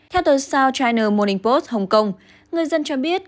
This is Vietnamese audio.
theo tờ south china morning post hồng kông người dân cho biết